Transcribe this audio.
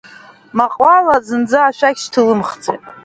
Маҟвала зынӡак ашәақь шьҭылымхӡеит.